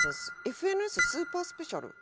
『ＦＮＳスーパースペシャル』。